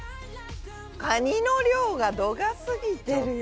カニの量が度が過ぎてるよ。